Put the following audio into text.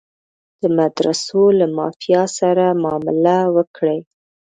د مدرسو له مافیا سره معامله وکړي.